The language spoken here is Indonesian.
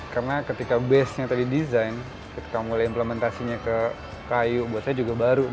karena ketika base nya tadi design ketika mulai implementasinya ke kayu buat saya juga baru